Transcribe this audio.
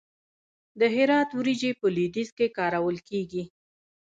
د هرات وریجې په لویدیځ کې کارول کیږي.